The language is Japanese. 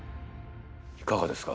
いかがですか。